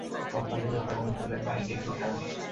কপালেই অকালমৃত্যু লেখা আছে, পিতা।